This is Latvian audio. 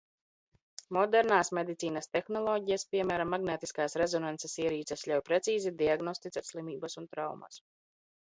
Modernās medicīnas tehnoloģijas, piemēram, magnētiskās rezonanses ierīces, ļauj precīzi diagnosticēt slimības un traumas.